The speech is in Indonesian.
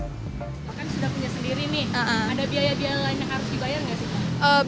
tuh kan sudah punya sendiri nih ada biaya biaya yang harus dibayar nggak sih